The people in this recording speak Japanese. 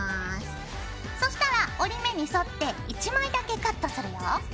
そしたら折り目に沿って１枚だけカットするよ。